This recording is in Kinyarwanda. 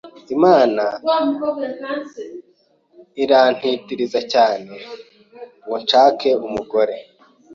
Imana irantitiriza cyane ngo nshake umugore